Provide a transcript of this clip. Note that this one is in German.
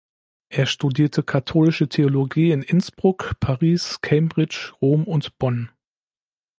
Er studierte Katholische Theologie in Innsbruck, Paris, Cambridge, Rom und Bonn.